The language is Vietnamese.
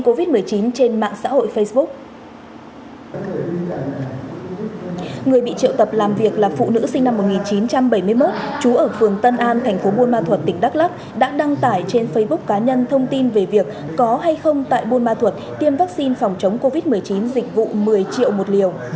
chú ở phường tân an thành phố buôn ma thuật tỉnh đắk lắc đã đăng tải trên facebook cá nhân thông tin về việc có hay không tại buôn ma thuật tiêm vaccine phòng chống covid một mươi chín dịch vụ một mươi triệu một liều